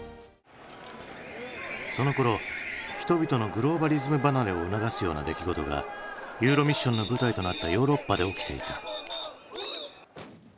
そのころ人々のグローバリズム離れを促すような出来事が「ＥＵＲＯＭＩＳＳＩＯＮ」の舞台となったヨーロッパで起きていた。